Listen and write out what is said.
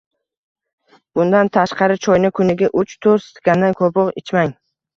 Bundan tashqari, choyni kuniga uch-toʻrt stakandan koʻproq ichmang.